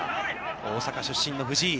大阪出身の藤井。